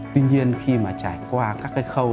tuy nhiên khi mà trải qua các cái khâu